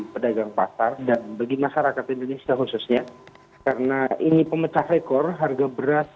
pedagang pasar dan bagi masyarakat indonesia khususnya karena ini pemecah rekor harga beras